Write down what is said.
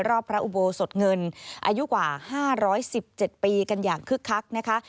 พระอุโบสถเงินอายุกว่า๕๑๗ปีกันอย่างคึกคักนะคะ